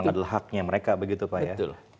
adalah haknya mereka begitu pak ya